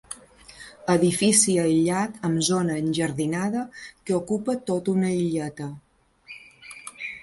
Edifici aïllat amb zona enjardinada que ocupa tota una illeta.